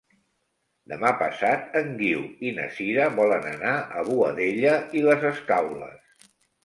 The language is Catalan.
Demà passat en Guiu i na Sira volen anar a Boadella i les Escaules.